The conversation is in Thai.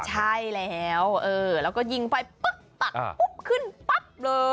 ใช่แล้วแล้วก็ยิงไฟปุ๊บตัดปุ๊บขึ้นปั๊บเลย